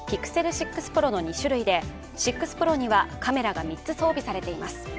６Ｐｒｏの２種類で６Ｐｒｏにはカメラが３つ装備されています。